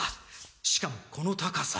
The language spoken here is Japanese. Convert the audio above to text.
しかもこの高さ。